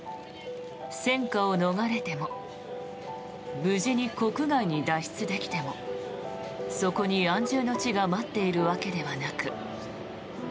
戦火を逃れても無事に国外に脱出できてもそこに安住の地が待っているわけではなく。